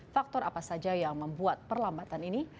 faktor apa saja yang membuat perlambatan ini